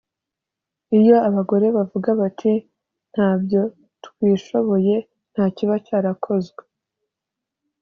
Iyo abagore bavuga bati ‘ntabyo twishoboye’ nta kiba cyarakozwe